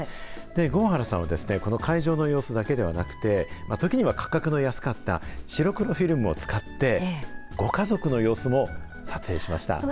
合原さんはこの会場の様子だけではなくて、時には価格の安かった白黒フィルムを使って、ご家族の様子も撮影しました。